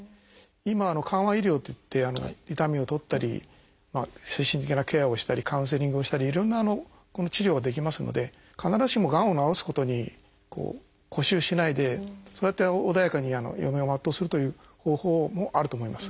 今は「緩和医療」っていって痛みを取ったり精神的なケアをしたりカウンセリングをしたりいろんな治療ができますので必ずしもがんを治すことに固執しないでそうやって穏やかに余命を全うするという方法もあると思います。